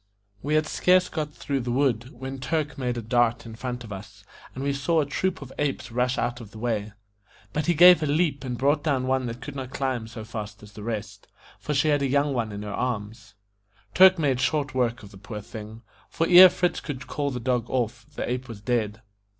We had scarce got through the wood, when Turk made a dart in front of us, and we saw a troop of apes rush out of the way. But he gave a leap and brought down one that could not climb so fast as the rest, for she had a young one in her arms. Turk made short work of the poor thing, for ere Fritz could call the dog off, the ape was dead.